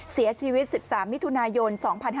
เสียชีวิต๑๓มิถุนายน๒๕๕๙